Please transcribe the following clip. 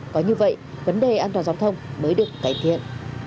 có như vậy vấn đề an toàn giao thông mới được cải thiện